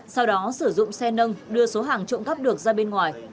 sau đó sử dụng xe nâng đưa số hàng trộm cắp được ra bên ngoài